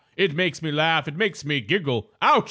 It makes me laugh. It makes me giggle! Ouch!